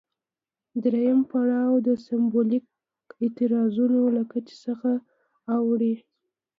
دویم پړاو د سمبولیکو اعتراضونو له کچې څخه اوړي.